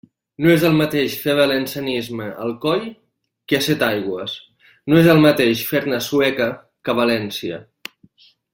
No és el mateix fer valencianisme a Alcoi que a Setaigües, no és el mateix fer-ne a Sueca que a València.